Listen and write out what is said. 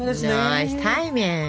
ナイスタイミング！